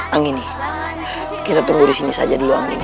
anggini kita tunggu di sini saja dulu anggini